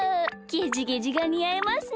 ゲジゲジがにあいますね。